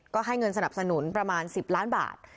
ก็ให้เงินสนับสนุนประมาณ๑๐ล้านบาท